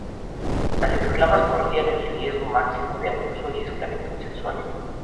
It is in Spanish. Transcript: Las esclavas corrían el riesgo máximo de abuso y esclavitud sexual.